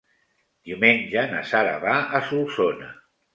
Diumenge na Sara va a Solsona.